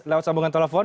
lewat sambungan telepon